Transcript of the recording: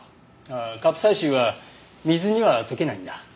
ああカプサイシンは水には溶けないんだ。